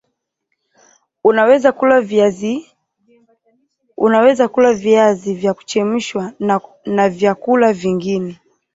unaweza kula viazi vya kuchemshwa na vyakula vingine